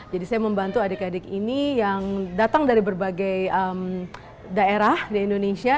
jadi saya membantu adik adik ini yang datang dari berbagai daerah di indonesia